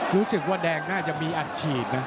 รู้สึกว่าแดงน่าจะมีอัดฉีดนะ